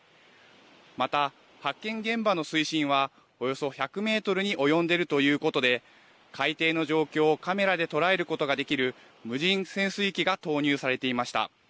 また発見現場の水深はおよそ１００メートルに及んでいるということで海底の状況をカメラで捉えることができる無人潜水機が投入されていました。